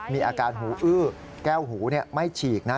มีอาการหูอื้อแก้วหูไม่ฉีกนะ